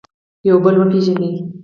یو بل وپېژني.